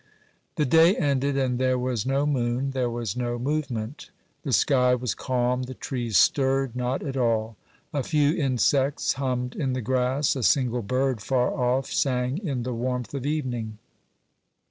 The day ended, and there was no moon, there was no movement ; the sky was calm, the trees stirred not at all. A few insects hummed in the grass, a single bird, far off, sang in the warmth of evening.